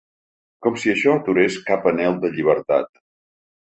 Com si això aturés cap anhel de llibertat.